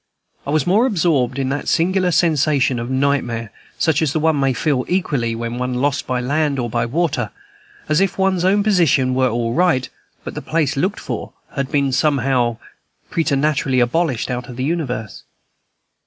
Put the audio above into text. I was more absorbed in that singular sensation of nightmare, such as one may feel equally when lost by land or by water, as if one's own position were all right, but the place looked for had somehow been preternaturally abolished out of the universe.